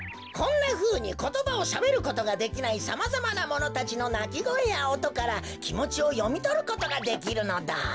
こんなふうにことばをしゃべることができないさまざまなものたちのなきごえやおとからきもちをよみとることができるのだ。